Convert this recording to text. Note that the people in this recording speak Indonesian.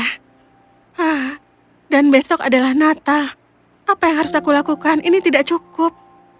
hah dan besok adalah natal apa yang harus aku lakukan ini tidak cukup